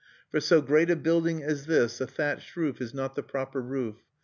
"For so great a building as this a thatched roof is not the proper roof.